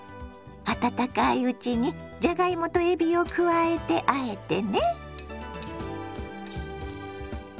温かいうちにじゃがいもとえびを加えてあえてね。